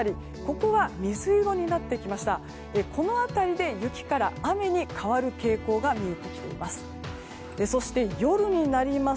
この辺りで雪から雨に変わる傾向が見えてきています。